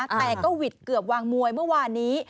แต่ก็หวิดเกือบวางมวยเมื่อวานนี้